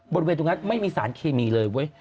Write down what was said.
บริเวณตรงนั้นไม่มีสารเคมีเลยเว้ย